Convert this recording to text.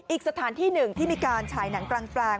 อีกสถานที่หนึ่งที่มีการฉายหนังกลางแปลง